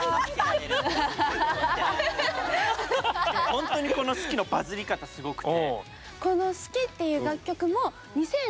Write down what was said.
ほんとにこの「すきっ！」のバズり方すごくて。